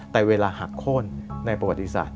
แต่เวลาหักโค้นในประวัติศาสต